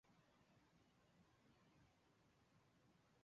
圣阿莱舒是葡萄牙波塔莱格雷区的一个堂区。